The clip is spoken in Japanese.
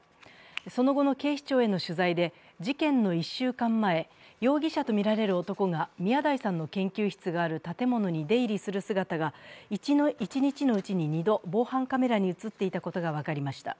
その後の警視庁への取材で、事件の１週間前、容疑者とみられる男が宮台さんの研究室がある建物に出入りする姿が一日のうちに２度防犯カメラに映っていたことが分かりました。